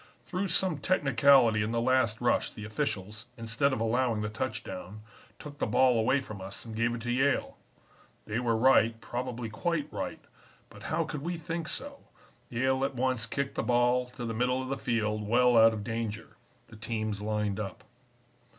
"Through some technicality in the last rush the officials, instead of allowing the touchdown, took the ball away from us and gave it to Yale. They were right, probably quite right, but how could we think so? Yale at once kicked the ball to the middle of the field well out of danger. The teams lined up.